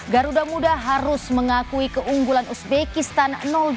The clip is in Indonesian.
garuda muda harus mengakui keunggulan uzbekistan dua